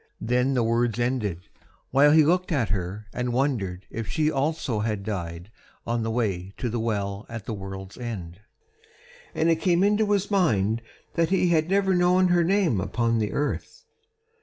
Then the words ended, while he looked at her and wondered if she also had died on the way to the Well at the World's End. And it came into his mind that he had never known her name upon the earth.